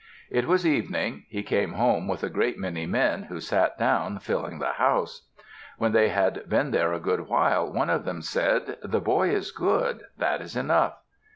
It was evening; he came home with a great many men, who sat down, filling the house. When they had been there a good while one of them said, "The boy is good; that is enough."